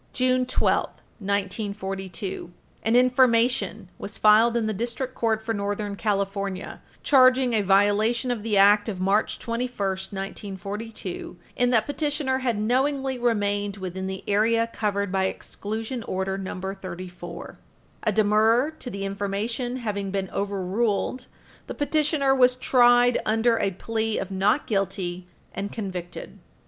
June 12, 1942, an Information was filed in the District Court for Northern California charging a violation of the Act of March 21, 1942, in that petitioner had knowingly remained within the area covered by Exclusion Order No. 34. A demurrer to the information having been overruled, the petitioner was tried under a plea of not guilty, and convicted.